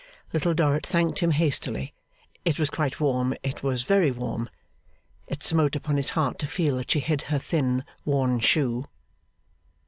Little Dorrit thanked him hastily. It was quite warm, it was very warm! It smote upon his heart to feel that she hid her thin, worn shoe.